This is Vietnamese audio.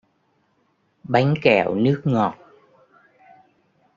Bánh kẹo nước ngọt